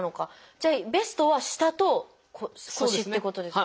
じゃあベストは下と腰っていうことですか？